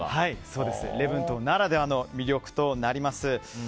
そうです、礼文島ならではの魅力となります。